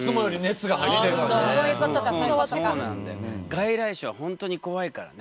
外来種は本当に怖いからね。